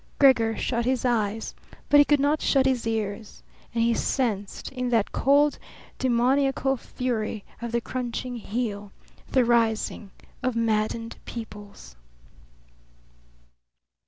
Gregor shut his eyes, but he could not shut his ears; and he sensed in that cold, demoniacal fury of the crunching heel the rising of maddened peoples.